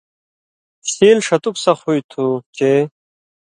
شیل ݜتُک سخ ہُوئ تُھو چے